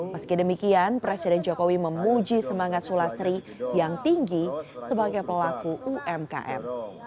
meski demikian presiden jokowi memuji semangat sulastri yang tinggi sebagai pelaku umkm